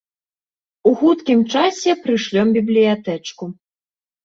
У хуткім часе прышлём бібліятэчку.